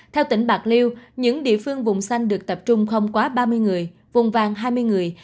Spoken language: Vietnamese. theo tỉnh bạc liêu những địa phương vùng xanh được tập trung không quá ba mươi người vùng vàng hai mươi người